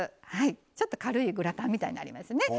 ちょっと軽いグラタンみたいになりますね。